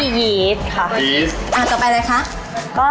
พยายามใส่ให้มันแยกแยกกันก็ไปเลยก็มีก้อดกลับโอ้โฮ